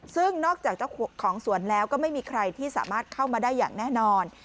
ซึ่งนอกจากเจ้าของสวนแล้วก็ไม่มีใครที่สามารถเข้ามาได้อย่างแน่นอน